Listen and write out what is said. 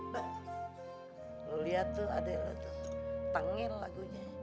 bah lo lihat tuh adek lo tuh tenggel lagunya